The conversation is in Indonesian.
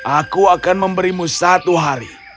aku akan memberimu satu hari